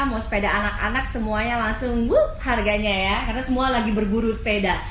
mau sepeda anak anak semuanya langsung bu harganya ya karena semua lagi berburu sepeda